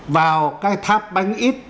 vào cái tháp bánh ít